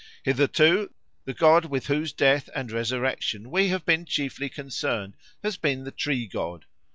Hitherto the god with whose death and resurrection we have been chiefly concerned has been the tree god.